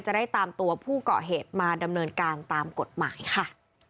จะได้ตามตัวผู้เกาะเหตุมาดำเนินการตามกฎหมายค่ะ